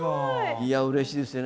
いやうれしいですよね。